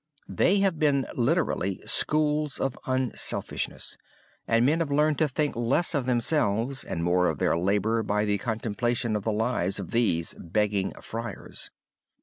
They have been literally schools of unselfishness, and men have learned to think less of themselves and more of their labor by the contemplation of the lives of these begging friars.